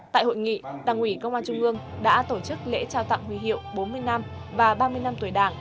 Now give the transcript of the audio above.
tại hội nghị đảng ủy công an trung ương đã tổ chức lễ trao tặng huy hiệu bốn mươi năm và ba mươi năm tuổi đảng